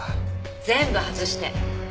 全部外して。